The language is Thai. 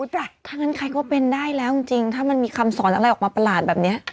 ถ้างั้นใครก็เป็นได้แล้วจริงถ้ามันมีคำสอนอะไรออกมาประหลาดแบบนี้